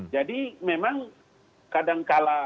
jadi memang kadangkala